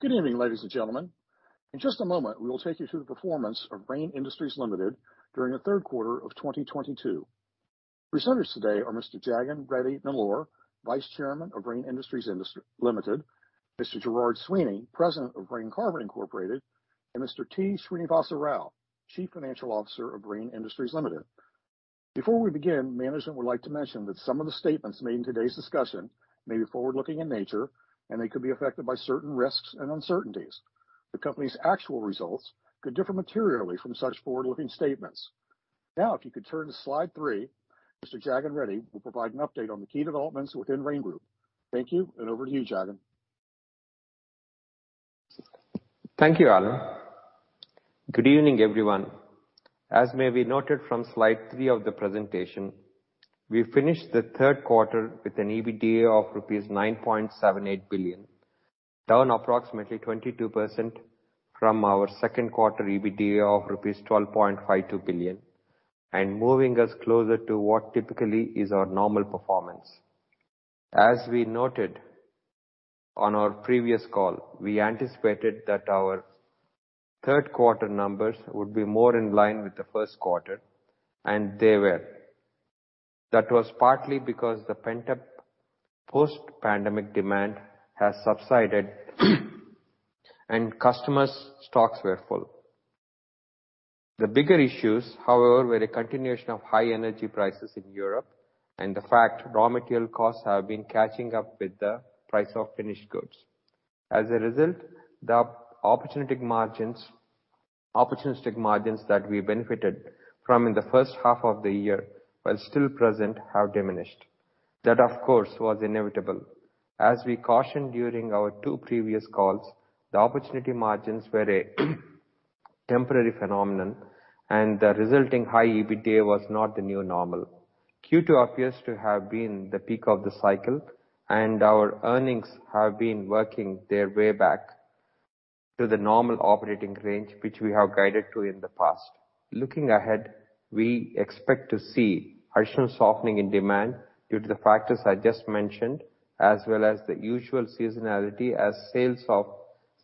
Good evening, ladies and gentlemen. In just a moment, we will take you through the performance of Rain Industries Limited during the third quarter of 2022. Presenters today are Mr. Jagan Reddy Nellore, Vice Chairman of Rain Industries Limited, Mr. Gerard Sweeney, President of Rain Carbon Inc., and Mr. T. Srinivas Rao, Chief Financial Officer of Rain Industries Limited. Before we begin, management would like to mention that some of the statements made in today's discussion may be forward-looking in nature, and they could be affected by certain risks and uncertainties. The company's actual results could differ materially from such forward-looking statements. Now, if you could turn to slide three, Mr. Jagan Reddy will provide an update on the key developments within Rain Industries. Thank you, and over to you, Jagan. Thank you, Alan. Good evening, everyone. As may be noted from slide three of the presentation, we finished the third quarter with an EBITDA of rupees 9.78 billion, down approximately 22% from our second quarter EBITDA of rupees 12.52 billion, and moving us closer to what typically is our normal performance. As we noted on our previous call, we anticipated that our third quarter numbers would be more in line with the first quarter, and they were. That was partly because the pent-up post-pandemic demand has subsided, and customers' stocks were full. The bigger issues, however, were a continuation of high energy prices in Europe and the fact raw material costs have been catching up with the price of finished goods. As a result, the opportunistic margins that we benefited from in the first half of the year, while still present, have diminished. That, of course, was inevitable. As we cautioned during our two previous calls, the opportunity margins were a temporary phenomenon, and the resulting high EBITDA was not the new normal. Q2 appears to have been the peak of the cycle, and our earnings have been working their way back to the normal operating range, which we have guided to in the past. Looking ahead, we expect to see additional softening in demand due to the factors I just mentioned, as well as the usual seasonality as sales of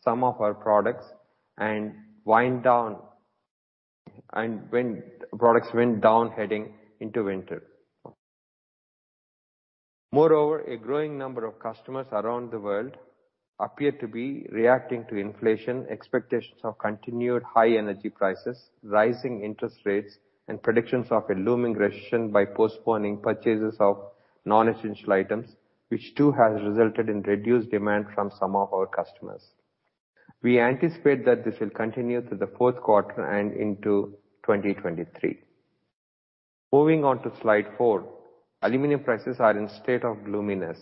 some of our products wind down heading into winter. Moreover, a growing number of customers around the world appear to be reacting to inflation, expectations of continued high energy prices, rising interest rates, and predictions of a looming recession by postponing purchases of non-essential items, which too has resulted in reduced demand from some of our customers. We anticipate that this will continue through the fourth quarter and into 2023. Moving on to slide four. Aluminum prices are in state of gloominess.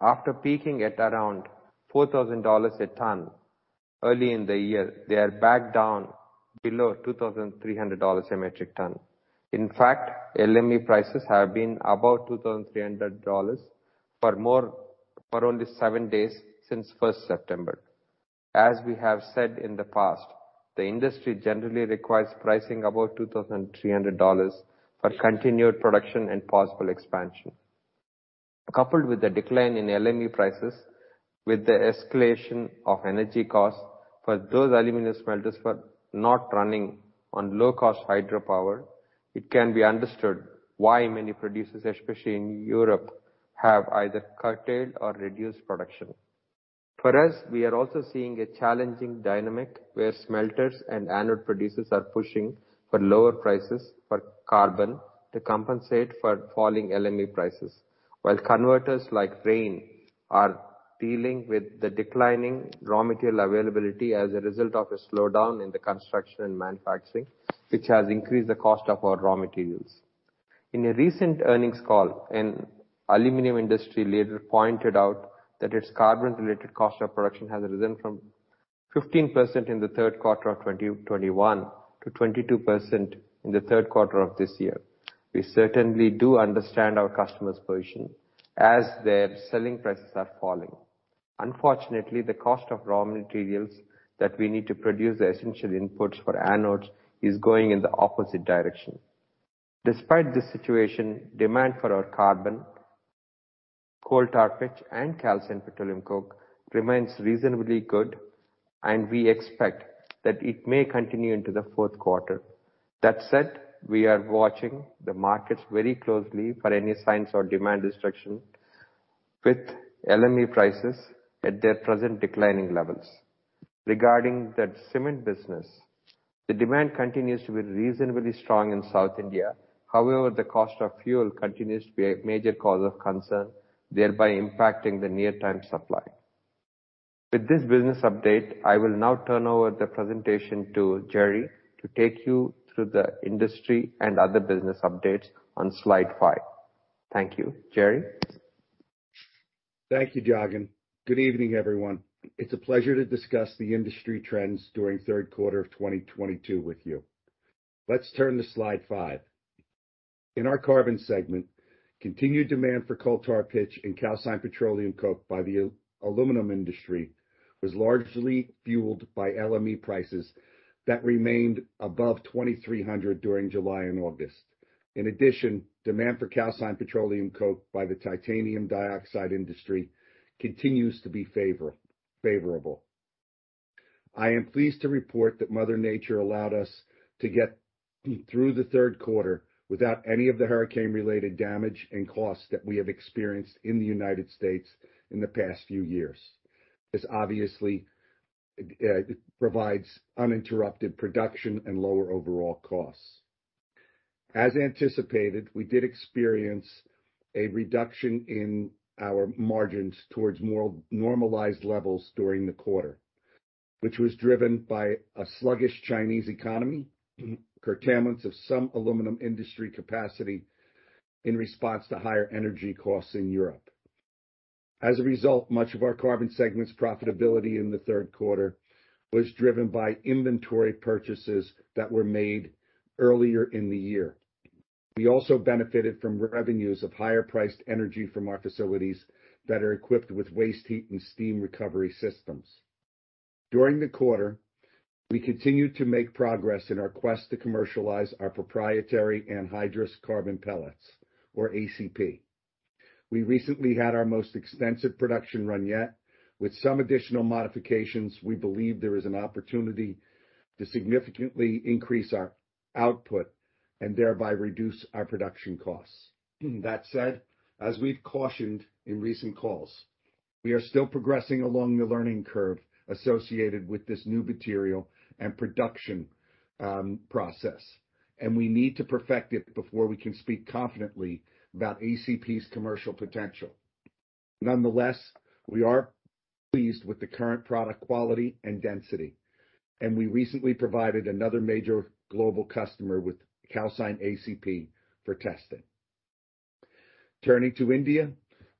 After peaking at around $4,000 a ton early in the year, they are back down below $2,300 a metric ton. In fact, LME prices have been above $2,300 for only seven days since 1st September. As we have said in the past, the industry generally requires pricing above $2,300 for continued production and possible expansion. Coupled with the decline in LME prices with the escalation of energy costs for those aluminum smelters for not running on low-cost hydropower, it can be understood why many producers, especially in Europe, have either curtailed or reduced production. For us, we are also seeing a challenging dynamic where smelters and anode producers are pushing for lower prices for carbon to compensate for falling LME prices. While converters like Rain are dealing with the declining raw material availability as a result of a slowdown in the construction and manufacturing, which has increased the cost of our raw materials. In a recent earnings call, an aluminum industry leader pointed out that its carbon-related cost of production has risen from 15% in the third quarter of 2021 to 22% in the third quarter of this year. We certainly do understand our customers' position as their selling prices are falling. Unfortunately, the cost of raw materials that we need to produce the essential inputs for anodes is going in the opposite direction. Despite this situation, demand for our carbon, coal tar pitch, and calcined petroleum coke remains reasonably good, and we expect that it may continue into the fourth quarter. That said, we are watching the markets very closely for any signs of demand destruction with LME prices at their present declining levels. Regarding the cement business, the demand continues to be reasonably strong in South India. However, the cost of fuel continues to be a major cause of concern, thereby impacting the near-term supply. With this business update, I will now turn over the presentation to Gerry to take you through the industry and other business updates on slide five. Thank you. Gerry? Thank you, Jagan. Good evening, everyone. It's a pleasure to discuss the industry trends during third quarter of 2022 with you. Let's turn to slide five. In our carbon segment, continued demand for coal tar pitch and calcined petroleum coke by the aluminum industry was largely fueled by LME prices that remained above 2,300 during July and August. In addition, demand for calcined petroleum coke by the titanium dioxide industry continues to be favorable. I am pleased to report that mother nature allowed us to get through the third quarter without any of the hurricane-related damage and costs that we have experienced in the United States in the past few years. This obviously provides uninterrupted production and lower overall costs. As anticipated, we did experience a reduction in our margins towards normalized levels during the quarter, which was driven by a sluggish Chinese economy, curtailments of some aluminum industry capacity in response to higher energy costs in Europe. As a result, much of our carbon segment's profitability in the third quarter was driven by inventory purchases that were made earlier in the year. We also benefited from revenues of higher-priced energy from our facilities that are equipped with waste heat and steam recovery systems. During the quarter, we continued to make progress in our quest to commercialize our proprietary anhydrous carbon pellets or ACP. We recently had our most extensive production run yet. With some additional modifications, we believe there is an opportunity to significantly increase our output and thereby reduce our production costs. That said, as we've cautioned in recent calls, we are still progressing along the learning curve associated with this new material and production process, and we need to perfect it before we can speak confidently about ACP's commercial potential. Nonetheless, we are pleased with the current product quality and density, and we recently provided another major global customer with calcined ACP for testing. Turning to India,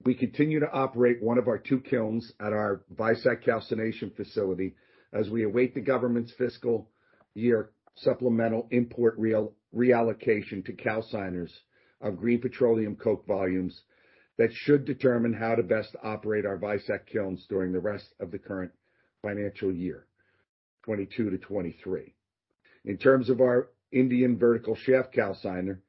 we continue to operate one of our two kilns at our Vizag calcination facility as we await the government's fiscal year supplemental import reallocation to calciners of green petroleum coke volumes that should determine how to best operate our Vizag kilns during the rest of the current financial year 2022-2023. In terms of our Indian vertical shaft calciner,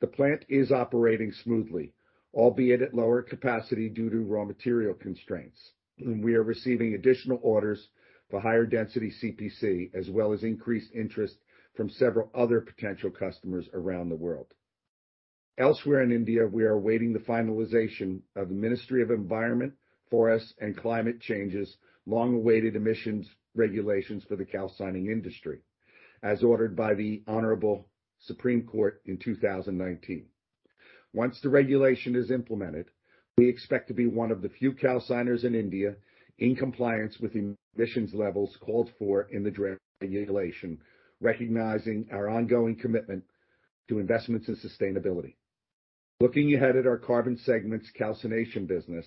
the plant is operating smoothly, albeit at lower capacity due to raw material constraints. We are receiving additional orders for higher density CPC, as well as increased interest from several other potential customers around the world. Elsewhere in India, we are awaiting the finalization of the Ministry of Environment, Forest and Climate Change's long-awaited emissions regulations for the calcining industry, as ordered by the Honorable Supreme Court of India in 2019. Once the regulation is implemented, we expect to be one of the few calciners in India in compliance with emissions levels called for in the draft regulation, recognizing our ongoing commitment to investments in sustainability. Looking ahead at our carbon segment's calcination business,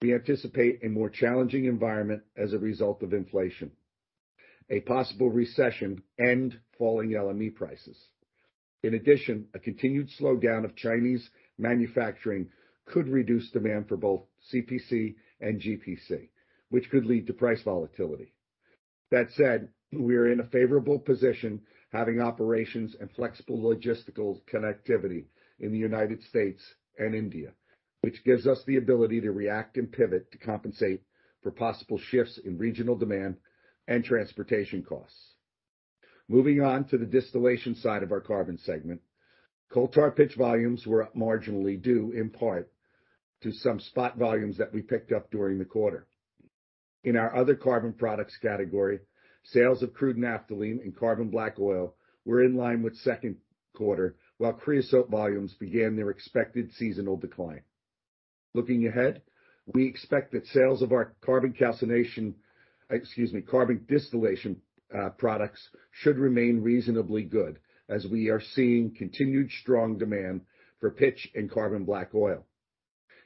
we anticipate a more challenging environment as a result of inflation, a possible recession and falling LME prices. In addition, a continued slowdown of Chinese manufacturing could reduce demand for both CPC and GPC, which could lead to price volatility. That said, we are in a favorable position having operations and flexible logistical connectivity in the United States and India, which gives us the ability to react and pivot to compensate for possible shifts in regional demand and transportation costs. Moving on to the distillation side of our Carbon segment, coal tar pitch volumes were up marginally due in part to some spot volumes that we picked up during the quarter. In our other carbon products category, sales of crude naphthalene and carbon black oil were in line with second quarter, while creosote volumes began their expected seasonal decline. Looking ahead, we expect that sales of our carbon distillation products should remain reasonably good as we are seeing continued strong demand for pitch and carbon black oil.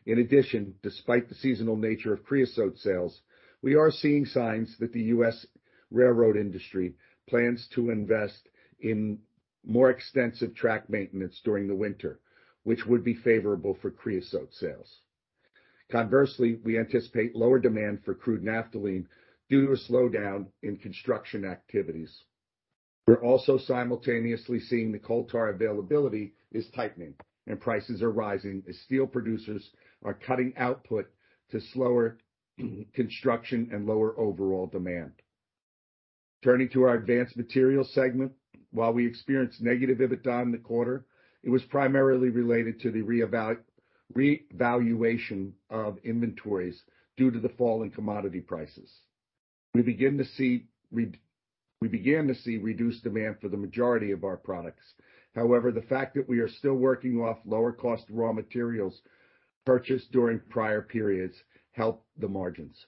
In addition, despite the seasonal nature of creosote sales, we are seeing signs that the U.S. railroad industry plans to invest in more extensive track maintenance during the winter, which would be favorable for creosote sales. Conversely, we anticipate lower demand for crude naphthalene due to a slowdown in construction activities. We're also simultaneously seeing the coal tar availability is tightening and prices are rising as steel producers are cutting output due to slower construction and lower overall demand. Turning to our Advanced Materials segment, while we experienced negative EBITDA in the quarter, it was primarily related to the revaluation of inventories due to the fall in commodity prices. We began to see reduced demand for the majority of our products. However, the fact that we are still working off lower cost raw materials purchased during prior periods helped the margins.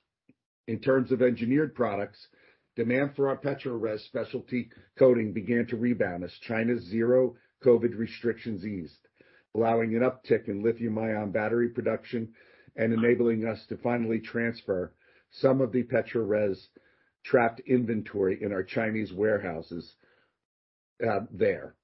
In terms of engineered products, demand for our PETRORES specialty coating began to rebound as China's zero COVID restrictions eased, allowing an uptick in lithium-ion battery production and enabling us to finally transfer some of the PETRORES trapped inventory in our Chinese warehouses, there.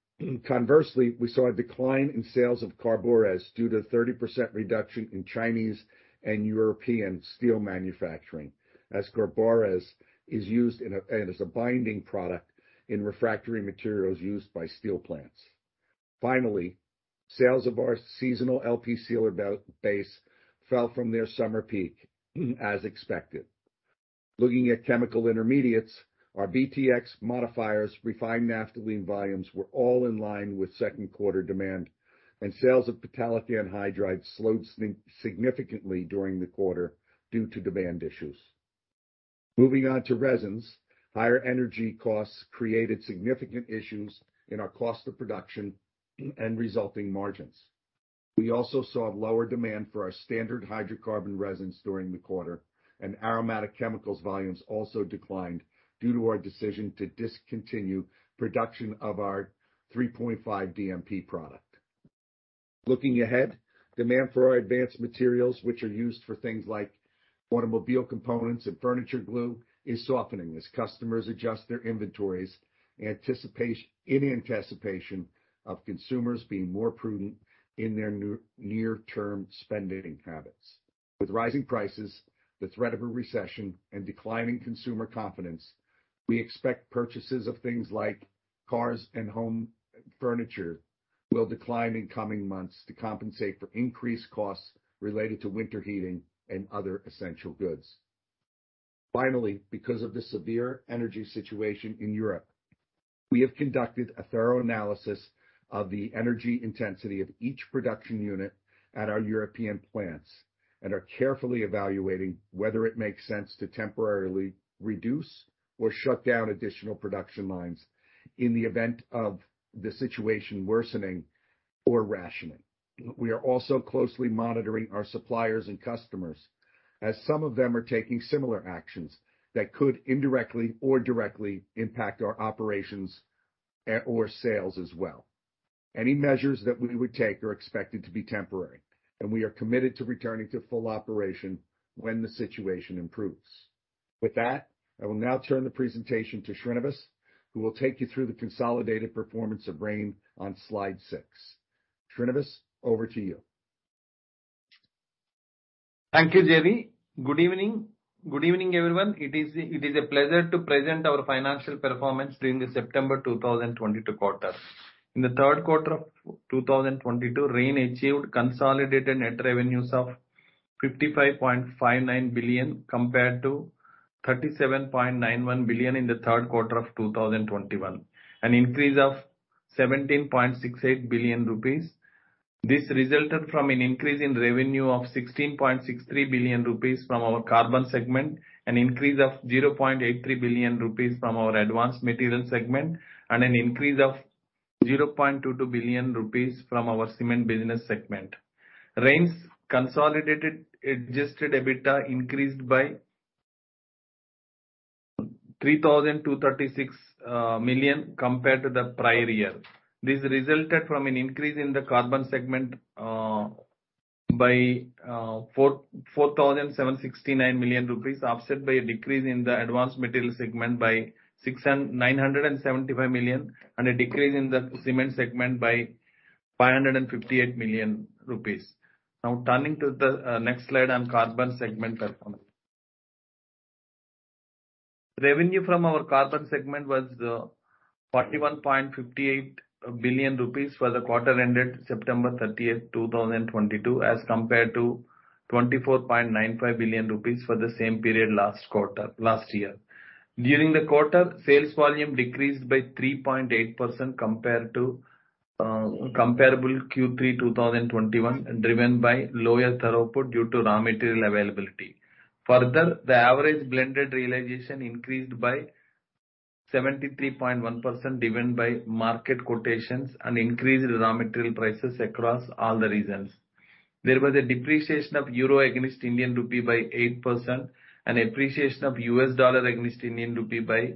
Conversely, we saw a decline in sales of CARBORES due to 30% reduction in Chinese and European steel manufacturing, as CARBORES is used as a binding product in refractory materials used by steel plants. Finally, sales of our seasonal LP Sealer Base fell from their summer peak as expected. Looking at chemical intermediates, our VTX modifiers refined naphthalene volumes were all in line with second quarter demand, and sales of phthalic anhydride slowed significantly during the quarter due to demand issues. Moving on to resins, higher energy costs created significant issues in our cost of production and resulting margins. We also saw lower demand for our standard hydrocarbon resins during the quarter, and aromatic chemicals volumes also declined due to our decision to discontinue production of our 3,5-DMP product. Looking ahead, demand for our advanced materials, which are used for things like automobile components and furniture glue, is softening as customers adjust their inventories, in anticipation of consumers being more prudent in their near term spending habits. With rising prices, the threat of a recession, and declining consumer confidence, we expect purchases of things like cars and home furniture will decline in coming months to compensate for increased costs related to winter heating and other essential goods. Finally, because of the severe energy situation in Europe, we have conducted a thorough analysis of the energy intensity of each production unit at our European plants, and are carefully evaluating whether it makes sense to temporarily reduce or shut down additional production lines in the event of the situation worsening or rationing. We are also closely monitoring our suppliers and customers, as some of them are taking similar actions that could indirectly or directly impact our operations or sales as well. Any measures that we would take are expected to be temporary, and we are committed to returning to full operation when the situation improves. With that, I will now turn the presentation to Srinivas, who will take you through the consolidated performance of Rain on slide six. Srinivas, over to you. Thank you, Gerry. Good evening. Good evening, everyone. It is a pleasure to present our financial performance during the September 2022 quarter. In the third quarter of 2022, Rain achieved consolidated net revenues of 55.59 billion, compared to 37.91 billion in the third quarter of 2021, an increase of 17.68 billion rupees. This resulted from an increase in revenue of 16.63 billion rupees from our Carbon segment, an increase of 0.83 billion rupees from our Advanced Materials segment, and an increase of 0.22 billion rupees from our cement business segment. Rain's consolidated Adjusted EBITDA increased by 3,236 million compared to the prior year. This resulted from an increase in the Carbon segment by 4,769 million rupees, offset by a decrease in the Advanced Materials segment by 695 million, and a decrease in the Cement segment by 558 million rupees. Now turning to the next slide on Carbon segment performance. Revenue from our Carbon segment was 41.58 billion rupees for the quarter ended September 30th, 2022, as compared to 24.95 billion rupees for the same period last year. During the quarter, sales volume decreased by 3.8% compared to comparable Q3 2021, driven by lower throughput due to raw material availability. Further, the average blended realization increased by 73.1% driven by market quotations and increased raw material prices across all the regions. There was a depreciation of euro against Indian rupee by 8% and appreciation of U.S. dollar against Indian rupee by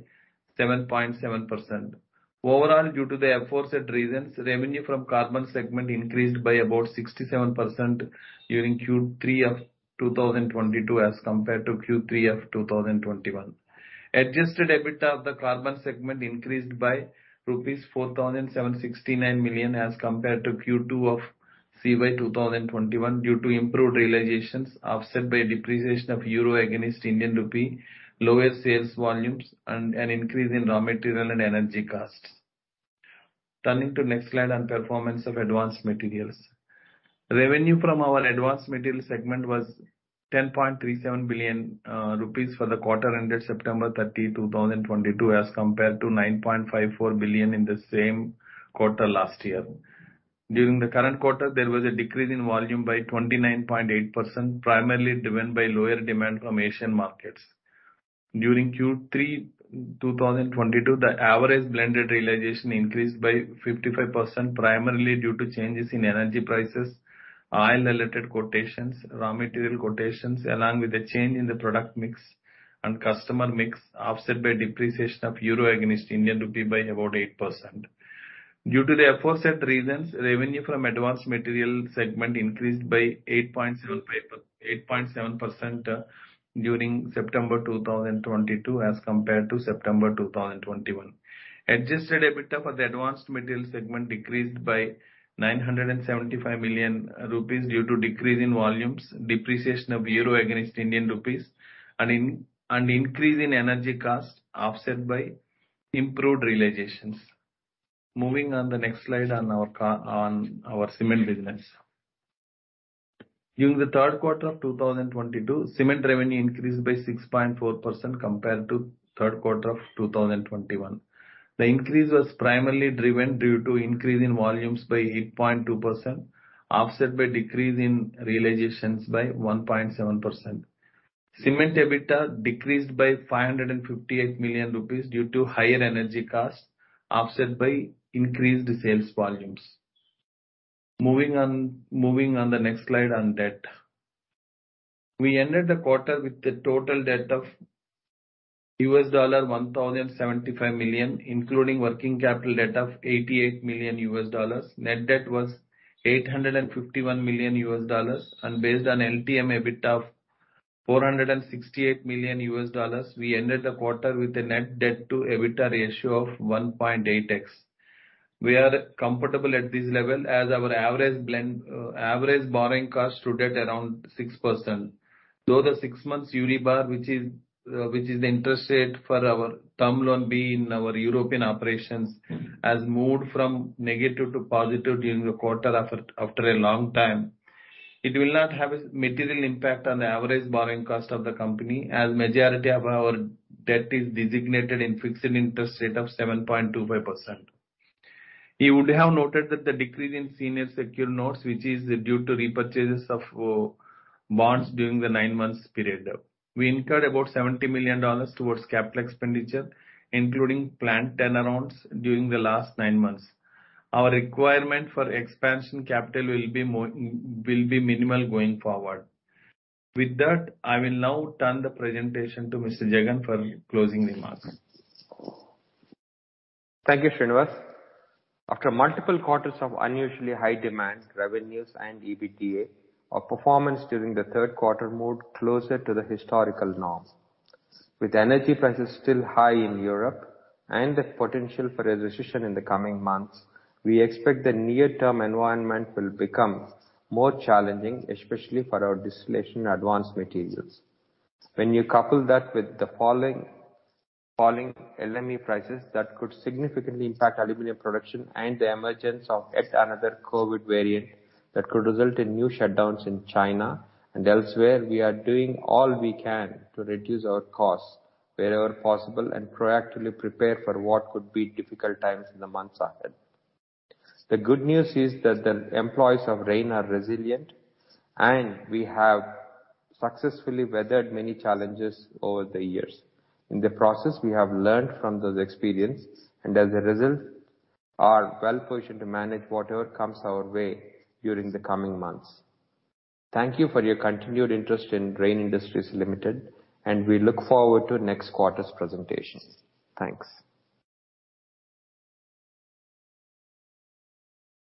7.7%. Overall, due to the aforesaid reasons, revenue from Carbon segment increased by about 67% during Q3 of 2022 as compared to Q3 of 2021. Adjusted EBITDA of the Carbon segment increased by rupees 4,769 million as compared to Q2 of CY 2021 due to improved realizations, offset by depreciation of euro against Indian rupee, lower sales volumes and an increase in raw material and energy costs. Turning to next slide on performance of Advanced Materials. Revenue from our Advanced Materials segment was 10.37 billion rupees for the quarter ended September 30th, 2022, as compared to 9.54 billion in the same quarter last year. During the current quarter, there was a decrease in volume by 29.8%, primarily driven by lower demand from Asian markets. During Q3 2022, the average blended realization increased by 55%, primarily due to changes in energy prices, oil related quotations, raw material quotations, along with a change in the product mix and customer mix, offset by depreciation of euro against Indian rupee by about 8%. Due to the aforesaid reasons, revenue from Advanced Materials segment increased by 8.7%, during September 2022 as compared to September 2021. Adjusted EBITDA for the Advanced Materials segment decreased by 975 million rupees due to decrease in volumes, depreciation of euro against Indian rupees and increase in energy costs offset by improved realizations. Moving on the next slide on our cement business. During the third quarter of 2022, cement revenue increased by 6.4% compared to third quarter of 2021. The increase was primarily driven due to increase in volumes by 8.2%, offset by decrease in realizations by 1.7%. Cement EBITDA decreased by 558 million rupees due to higher energy costs offset by increased sales volumes. Moving on the next slide on debt. We ended the quarter with total debt of $1,075 million, including working capital debt of $88 million. Net debt was $851 million and based on LTM EBITDA of $468 million, we ended the quarter with a net debt to EBITDA ratio of 1.8x. We are comfortable at this level as our average blend, average borrowing cost stood at around 6%. Though the six months Euribor, which is the interest rate for our Term Loan B in our European operations, has moved from negative to positive during the quarter after a long time. It will not have a material impact on the average borrowing cost of the company as majority of our debt is designated in fixed interest rate of 7.25%. You would have noted that the decrease in Senior Secured Notes, which is due to repurchases of bonds during the nine months period. We incurred about $70 million towards capital expenditure, including plant turnarounds during the last nine months. Our requirement for expansion capital will be minimal going forward. With that, I will now turn the presentation to Mr. Jagan for closing remarks. Thank you, Srinivas. After multiple quarters of unusually high demand, revenues and EBITDA, our performance during the third quarter moved closer to the historical norms. With energy prices still high in Europe and the potential for a recession in the coming months, we expect the near term environment will become more challenging, especially for our distillation and advanced materials. When you couple that with the falling LME prices that could significantly impact aluminum production and the emergence of yet another COVID variant that could result in new shutdowns in China and elsewhere, we are doing all we can to reduce our costs wherever possible and proactively prepare for what could be difficult times in the months ahead. The good news is that the employees of Rain are resilient, and we have successfully weathered many challenges over the years. In the process, we have learned from those experiences and as a result, are well-positioned to manage whatever comes our way during the coming months. Thank you for your continued interest in Rain Industries Limited, and we look forward to next quarter's presentation. Thanks.